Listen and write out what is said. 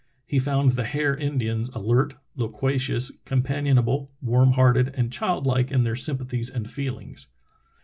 He found the Hare Indians alert, loquacious, companion able, warm hearted, and childlike in their sympathies and feelings.